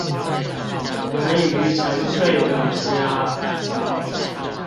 人魚沉睡的家